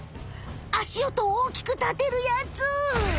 足音をおおきく立てるやつ！